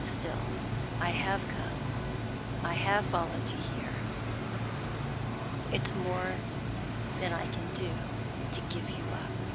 Still, I have come, I have followed you here. It's more than I can do to give you up.'